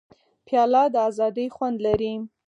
پیاله د ازادۍ خوند لري.